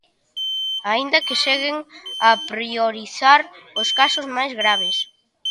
Aínda que seguen a priorizar os casos máis graves.